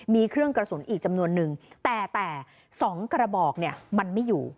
มีเครื่องกระสุนอีกจำนวนนึงแต่๒กระบอกเนี่ยมันไม่อยู่